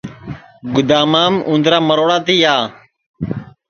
گُدامام اُندرا مروڑا تیا